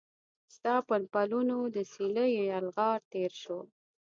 ستا پر پلونو د سیلېو یلغار تیر شو